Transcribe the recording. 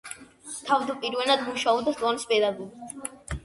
თავდაპირველად მუშაობდა სკოლის პედაგოგად.